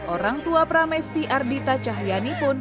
orang tua pramesti ardita cahyani pun